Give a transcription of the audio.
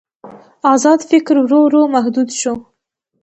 ازاد فکر ورو ورو محدود شو.